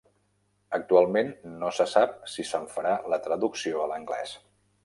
Actualment no se sap si se'n farà la traducció a l'anglès.